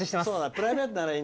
プライベートならね。